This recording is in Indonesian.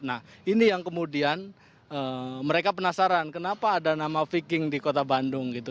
nah ini yang kemudian mereka penasaran kenapa ada nama viking di kota bandung gitu